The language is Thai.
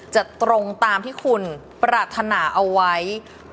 ตรงตามที่คุณปรารถนาเอาไว้